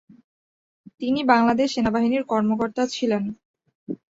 তিনি বাংলাদেশ সেনাবাহিনীর কর্মকর্তা ছিলেন।